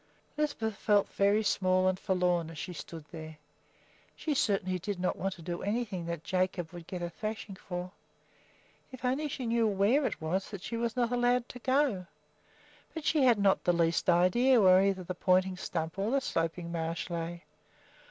Lisbeth felt very small and forlorn as she stood there. She certainly did not want to do anything that Jacob would get a thrashing for. If she only knew where it was that she was not allowed to go! but she had not the least idea where either the Pointing Stump or the Sloping Marsh lay.